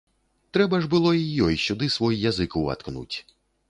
Трэба ж было й ёй сюды свой язык уваткнуць.